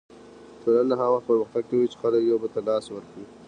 ټولنه هغه وخت پرمختګ کوي چې خلک یو بل ته لاس ورکړي.